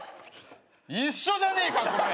一緒じゃねえかこれ！